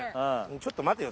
ょっと待てよ。